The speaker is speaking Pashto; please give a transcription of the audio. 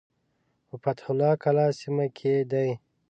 په فتح الله کلا سیمه کې دی.